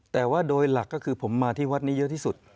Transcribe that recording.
แต่ว่าโดยหลักก็คือผมมาที่วัดนี้เยอะที่สุด